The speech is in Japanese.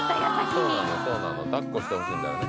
そうなのそうなのだっこしてほしいんだよね